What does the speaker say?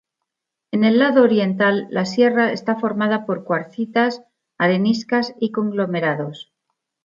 En el lado oriental, la sierra está formada por cuarcitas, areniscas y conglomerados.